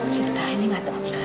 sita ini enggak tahu